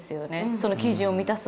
その基準を満たすのは。